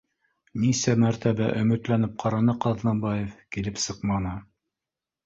Нисә мәртәбә омөтләнеп ҡараны Ҡаҙнабаев, килеп сыҡманы